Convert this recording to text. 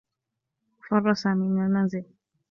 فرّ سامي من المنزل.